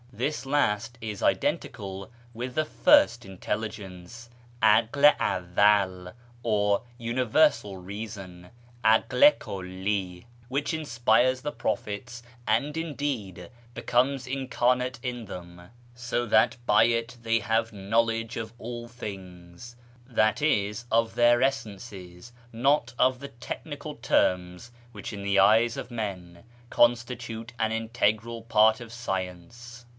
This last is identical with the " First Intelligence " (aki i avval), or " Universal Eeason " (akl i kidli), which inspires the prophets, and, indeed, becomes incarnate in them, so that by it they have knowledge of all things — that is, of their essences, not of the technical terms which in the eyes of men constitute an integral part of science.